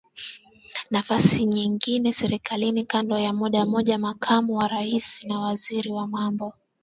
nafasi nyingine serikalini kando kwa mudamoja Makamu wa Rais na waziri wa mambo